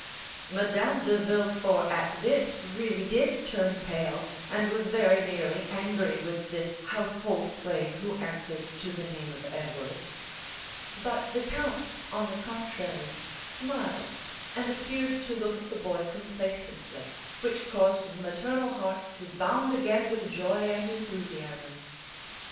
Madame de Villefort at this really did turn pale, and was very nearly angry with this household plague, who answered to the name of Edward; but the count, on the contrary, smiled, and appeared to look at the boy complacently, which caused the maternal heart to bound again with joy and enthusiasm.